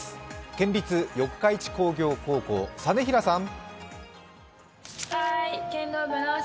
県立四日市工業高等学校、實平さん。